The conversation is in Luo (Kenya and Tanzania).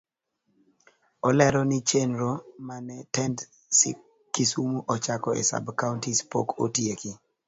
Olero ni chienro mane tend kisumu ochako e sub-counties pok otieki.